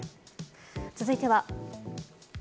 続いては。